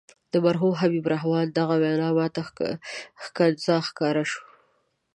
د مرحوم حبیب الرحمن دغه وینا ماته ښکنځا ښکاره شوه.